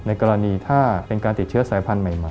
กรณีถ้าเป็นการติดเชื้อสายพันธุ์ใหม่